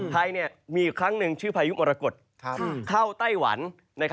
ไทยมีอีกครั้งหนึ่งชื่อพายุมรกฏเข้าไต้หวัน